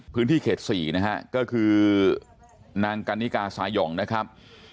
พื้นที่เขต๔นะฮะก็คือนางกันนิกาสายอ่องนะครับ